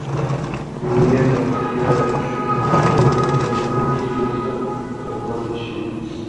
کولمو بکتریاوې د شیزوفرینیا په درملنه کې مرسته کولی شي.